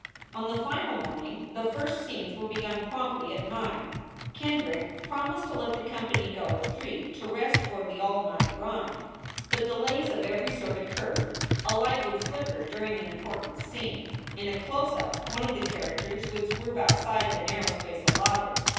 On the final morning the first scenes were begun promptly at nine. Kendrick promised to let the company go at three to rest for the all night grind, but delays of every sort 3 o2 SOULS FOR SALE occurred. A light would flicker during an important scene. In a close up one of the characters would swerve outside the narrow space allotted.